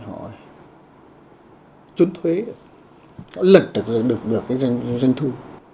họ trốn thuế lật được cái doanh thu